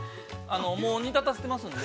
もう煮立たせてますので。